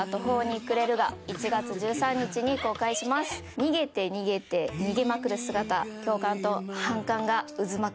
逃げて逃げて逃げまくる姿共感と反感が渦巻く